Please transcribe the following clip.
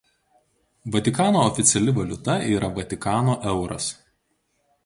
Vatikano oficiali valiuta yra Vatikano euras.